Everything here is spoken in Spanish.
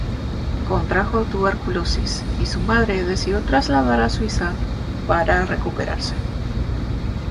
Contrajo tuberculosis y su madre decidió trasladarla a Suiza para recuperarse.